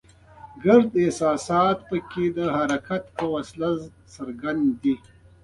ټول احساسات پکې د حرکت په واسطه څرګندیږي.